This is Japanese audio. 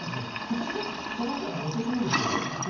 届いたのがおとといですよこれ。